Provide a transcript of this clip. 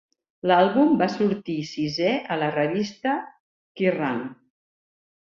L'àlbum va sortir sisè a la revista 'Kerrang!'.